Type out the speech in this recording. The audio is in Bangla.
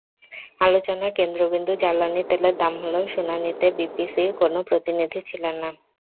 আলোচনার কেন্দ্রবিন্দু জ্বালানি তেলের দাম হলেও শুনানিতে বিপিসির কোনো প্রতিনিধি ছিলেন না।